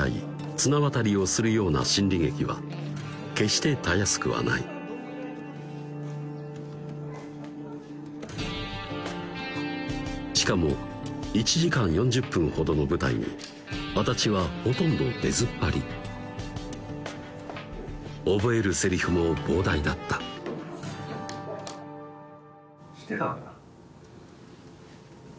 綱渡りをするような心理劇は決してたやすくはないしかも１時間４０分ほどの舞台に安達はほとんど出ずっぱり覚えるセリフも膨大だった「してたんだ」